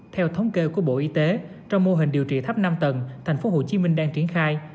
theo thống kê của bộ y tế trong mô hình điều trị tháp năm tầng thành phố hồ chí minh đang triển khai